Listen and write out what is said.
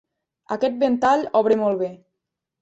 Aquest ventall obre molt bé.